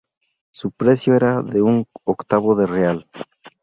Su precio era de un octavo de real.